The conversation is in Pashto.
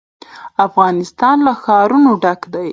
افغانستان له ښارونه ډک دی.